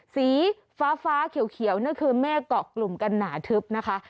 สีฟ้าเขียวนั่นคือเมฆเกาะกลุ่มกันหนาทึบนะคะ